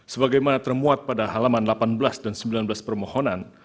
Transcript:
sebagaimana termuat pada halaman delapan belas dan sembilan belas permohonan